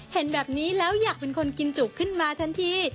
เห็นแบบนี้แล้วอยากเป็นคนกินจุขึ้นมาทันที